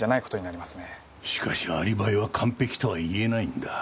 しかしアリバイは完璧とは言えないんだ。